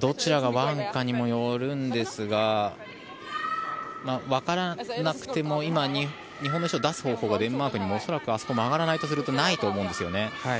どちらがワンかにもよるんですがわからなくても今、日本の石を出す方法はデンマークにも恐らくあそこが曲がらないとするとないと思うんですよね。